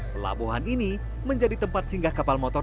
pelabuhan ini menjadi tempat singgah kapal motor